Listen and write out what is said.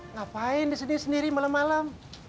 ngapain di sini sendiri malam malam